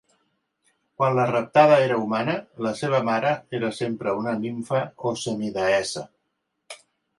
Quan la raptada era humana, la seva mare era sempre una nimfa o semideessa.